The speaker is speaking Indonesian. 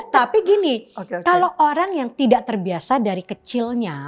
tapi gini kalau orang yang tidak terbiasa dari kecilnya